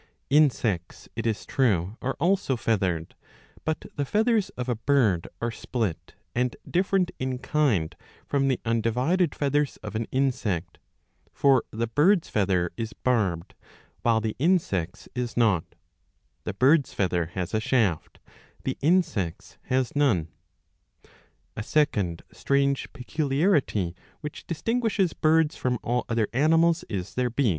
Insects it is true are also feathered, but the feathers of a bird are split and different in kind from the undivided feathers of an insect ; for the bird's feather is barbed, while the insect's is not ; the bird's feather has a shaft, the insect's has none.^ A second strange peculiarity which distinguishes birds from all other animals is their beak.